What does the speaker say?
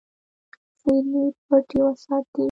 زیرمې پټې وساتې.